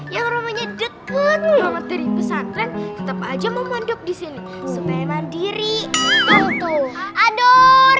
ya rumahnya deket banget dari pesan keren tetap aja mau manduk disini supaya mandiri atau ador